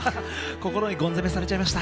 心にゴン詰めされちゃいました。